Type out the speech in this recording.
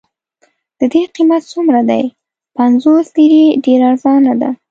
د دې قیمت څومره دی؟ پنځوس لیرې، ډېره ارزانه ده.